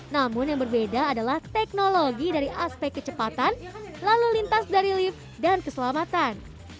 namun yang berbeda adalah teknologi dari aspek kecepatan lalu lintas dari lift dan keselamatan